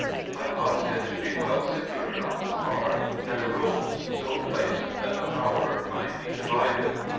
I caused it to be well secured on the car, and the ropes so placed that the power might be divided.